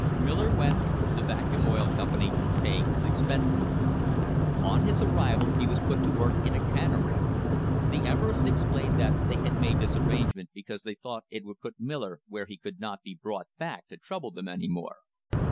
Miller went, the Vacuum Oil Company paying his expenses. On his arrival he was put to work in a cannery. The Everests explained that they made this arrange ment because they thought it would put Miller where he could not be brought back to trouble them any more.